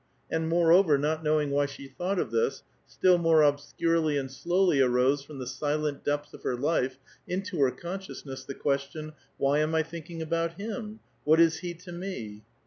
And, moreover, not knowing why she thought of this, still more obscurely and slowly arose from the silent depths of her life into her consciousness, the question, " Why am I thinking about him? What is he to me?"